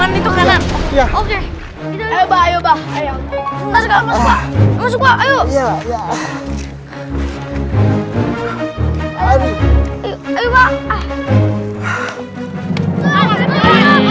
muallya dua buah wahh